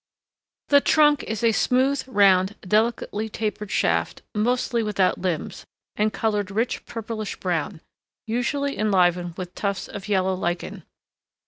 The trunk is a smooth, round, delicately tapered shaft, mostly without limbs, and colored rich purplish brown, usually enlivened with tufts of yellow lichen.